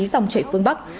dòng chảy phương bắc